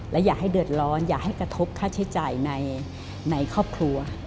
และอย่าให้เดือดร้อนอย่าให้กระทบค่าใช้จ่ายในครอบครัว